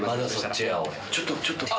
ちょっとちょっと！